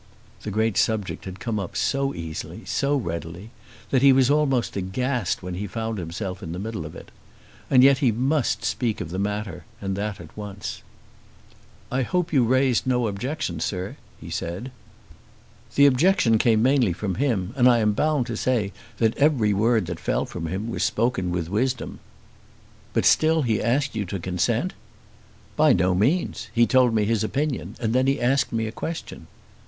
The great subject had come up so easily, so readily, that he was almost aghast when he found himself in the middle of it. And yet he must speak of the matter, and that at once. "I hope you raised no objection, sir," he said. "The objection came mainly from him; and I am bound to say that every word that fell from him was spoken with wisdom." "But still he asked you to consent." "By no means. He told me his opinion, and then he asked me a question."